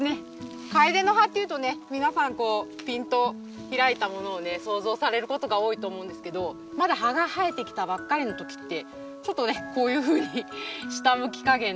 カエデの葉っていうと皆さんピンと開いたものを想像されることが多いと思うんですけどまだ葉が生えてきたばっかりの時ってちょっとねこういうふうに下向き加減で。